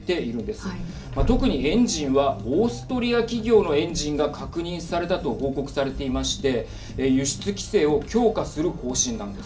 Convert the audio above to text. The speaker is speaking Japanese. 特にエンジンはオーストリア企業のエンジンが確認されたと報告されていまして輸出規制を強化する方針なんです。